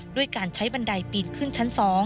ด้วยการใช้บันไดปีนขึ้นชั้น๒